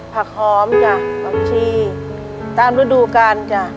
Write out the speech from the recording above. ผักหอมจ้ะผักชีตามฤดูกาลจ้ะ